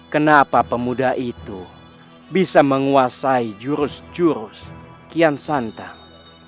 kenapa pemuda itu bisa menguasai jurus jurus kian santang